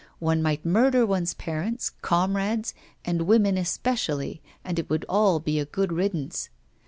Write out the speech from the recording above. One might murder one's parents, comrades, and women especially, and it would all be a good riddance.